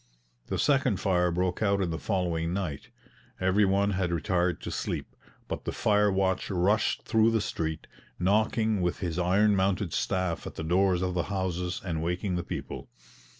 The second fire broke out in the following night. Every one had retired to sleep, but the fire watch rushed through the street, knocking with his iron mounted staff at the doors of the houses and waking the people.